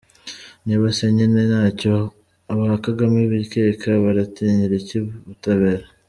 Niba se nyine ntacyo ba Kagame bikeka, baratinyira iki ubutabera!